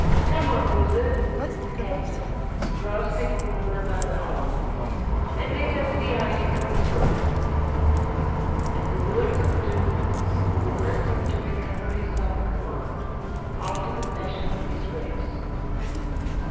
"Come on, Wizard," said the captain, grasping Umgona by the arm, "and let us see how you can swim." At the words of doom Umgona seemed to recover his self command, after the fashion of his race.